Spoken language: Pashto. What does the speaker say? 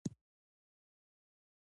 علامه حبیبي د سیاسي بدلونونو تحلیل کړی دی.